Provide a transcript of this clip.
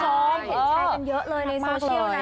เห็นแชร์กันเยอะเลยในโซเชียลนะ